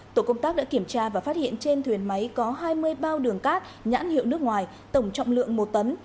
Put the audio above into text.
tổ công tác đã kiểm tra và phát hiện trên thuyền máy có hai mươi bao đường cát nhãn hiệu nước ngoài tổng trọng lượng một tấn